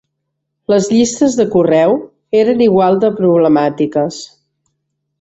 Les llistes de correu eren igual de problemàtiques.